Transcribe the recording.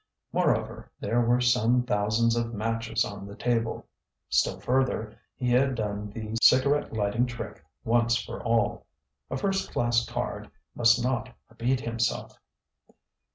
Moreover, there were some thousands of matches on the table. Still further, he had done the cigarette lighting trick once for all. A first class card must not repeat himself.